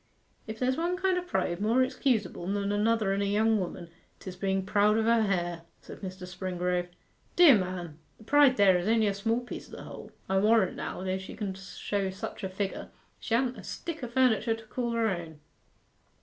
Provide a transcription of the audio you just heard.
'If there's one kind of pride more excusable than another in a young woman, 'tis being proud of her hair,' said Mr. Springrove. 'Dear man! the pride there is only a small piece o' the whole. I warrant now, though she can show such a figure, she ha'n't a stick o' furniture to call her own.